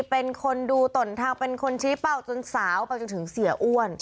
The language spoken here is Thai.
เป็นคนดูตนทางเป็นคนชี้เป้าจนสาวไปจนถึงเสียอ้วน